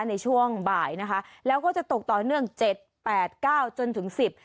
ในช่วงบ่ายนะคะแล้วก็จะตกต่อเนื่องเจ็ดแปดเก้าจนถึงสิบ